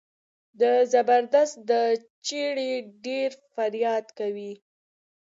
د زبردست د چړې ډېر فریاد کوي.